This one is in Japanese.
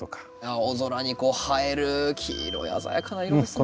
青空にこう映える黄色い鮮やかな色ですね。